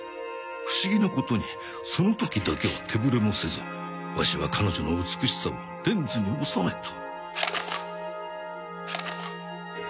不思議なことにその時だけは手ブレもせずワシは彼女の美しさをレンズに収めた。